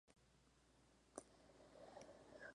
El capítulo seis se titula "Invariancia y perturbación".